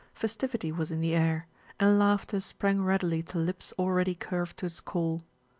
Festivity was in the air, and laughter sprang readily to lips already curved to its call.